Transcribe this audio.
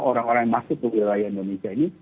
orang orang yang masuk ke wilayah indonesia ini